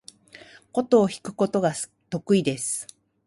箏を弾くことが得意です。